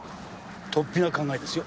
とっぴな考えですよ。